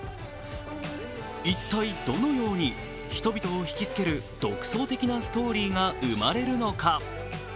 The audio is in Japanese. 一体どのように人々をひきつける独創的なストーリーが生まれるのか。